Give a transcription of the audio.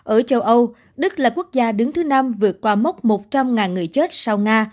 ở châu âu đức là quốc gia đứng thứ năm vượt qua mốc một trăm linh người chết sau nga